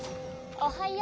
おはよう！